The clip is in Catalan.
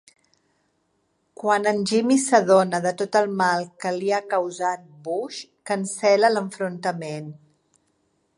Quan en Jimmy s'adona de tot el mal que li ha causat Bush, cancel·la l'enfrontament.